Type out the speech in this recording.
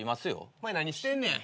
お前何してんねん。